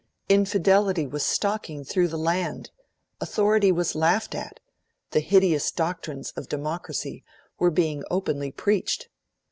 Infidelity was stalking through the land; authority was laughed at; the hideous doctrines of Democracy were being openly preached.